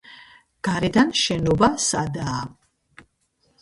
გარედან შენობა სადაა.